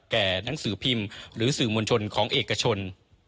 หนังสือพิมพ์หรือสื่อมวลชนของเอกชน